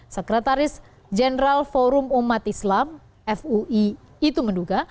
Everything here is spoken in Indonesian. sekretaris jenderal forum umat islam fui itu menduga